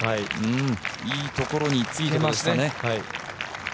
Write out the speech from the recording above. いいところについてましたね。